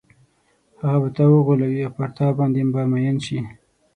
هغه به تا وغولوي او پر تا باندې به مئین شي.